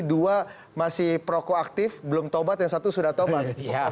dua masih prokoaktif belum tobat dan satu sudah tobat